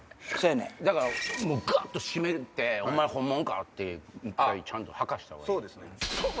だからガッ！と締めてお前本物か？ってちゃんと吐かしたほうがいい。